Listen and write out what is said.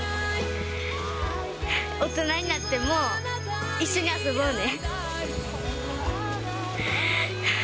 大人になっても、一緒に遊ぼうね。